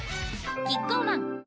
キッコーマン